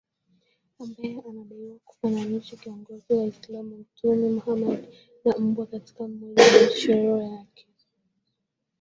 ambaye anadaiwa kufananisha kiongozi waislaam mtume muhamad na mbwa katika moja ya michoro yake